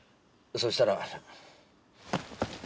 そしたら。